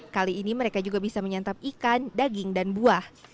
kali ini mereka juga bisa menyantap ikan daging dan buah